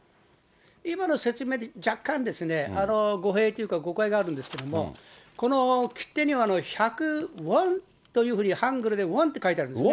今の説明で若干語弊というか誤解があるんですけれども、この切手には１００ウォンというふうに、ハングルでウォンって書いてあるんですね。